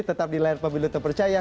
tetap di layar pemilu terpercaya